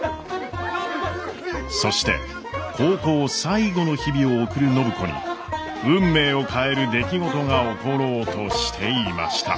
そして高校最後の日々を送る暢子に運命を変える出来事が起ころうとしていました。